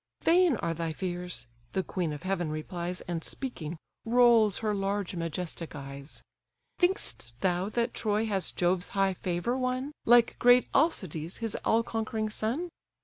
"Vain are thy fears (the queen of heaven replies, And, speaking, rolls her large majestic eyes); Think'st thou that Troy has Jove's high favour won, Like great Alcides, his all conquering son?